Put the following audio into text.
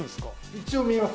一応見えます。